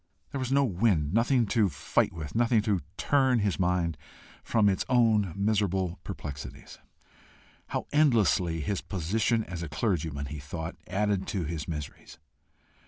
There was no wind, nothing to fight with, nothing to turn his mind from its own miserable perplexities. How endlessly his position as a clergyman, he thought, added to his miseries!